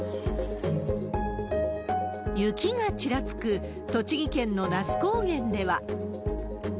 雪がちらつく栃木県の那須高原では。